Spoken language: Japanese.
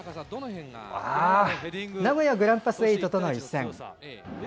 名古屋グランパスエイトとの一戦。